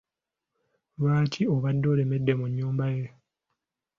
Lwaki obadde olemedde mu nnyumba ye?